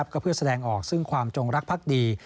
ก็เพื่อแสดงออกซึ่งความจงรักภักดี